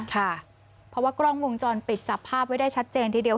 ค่ะเพราะว่ากล้องวงจรปิดจับภาพไว้ได้ชัดเจนทีเดียว